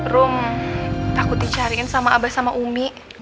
rum takut dicariin sama abah sama umi